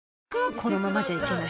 このままじゃいけない！